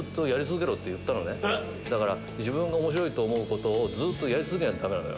自分が面白いと思うことをずっとやり続けないとダメなの。